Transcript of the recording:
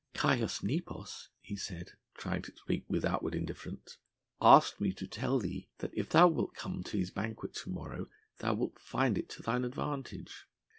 "Caius Nepos," he said, trying to speak with outward indifference, "asked me to tell thee that if thou wilt come to his banquet to morrow thou wilt find it to thine advantage.